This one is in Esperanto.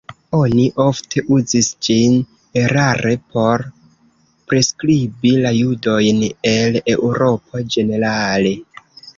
Oni ofte uzis ĝin erare por priskribi la judojn el Eŭropo ĝenerale.